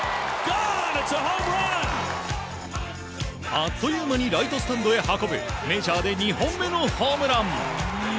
あっという間にライトスタンドへ運ぶメジャーで２本目のホームラン。